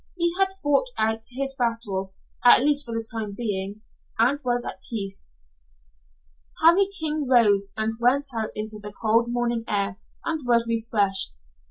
He had fought out his battle, at least for the time being, and was at peace. Harry King rose and went out into the cold morning air and was refreshed.